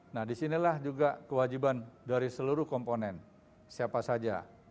nah disinilah juga kewajiban dari seluruh komponen siapa saja